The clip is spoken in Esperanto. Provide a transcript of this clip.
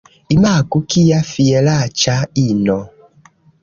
Imagu, kia fieraĉa ino!